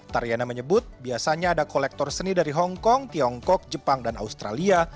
tariana menyebut biasanya ada kolektor seni dari hongkong tiongkok jepang dan australia